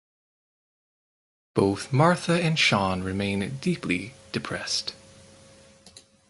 Both Martha and Sean remain deeply depressed.